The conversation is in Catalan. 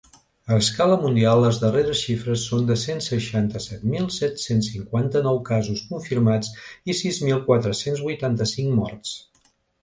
A escala mundial les darreres xifres són de cent seixanta-set mil set-cents cinquanta-nou casos confirmats i sis mil quatre-cents vuitanta-cinc morts.